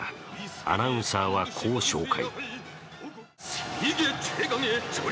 アナウンサーは、こう紹介。